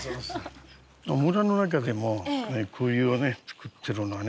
村の中でもこういうの作ってるのね。